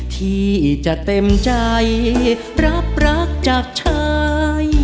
ที่จะเต็มใจรับรักจากชาย